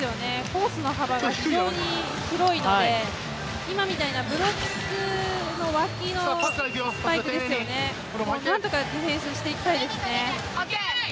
コースの幅が非常に広いので今みたいなブロックの脇のスパイクですよね、何とかディフェンスしていきたいですね。